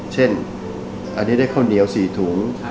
เช่นอันนี้ได้ข้าวเหนียว๔ถุง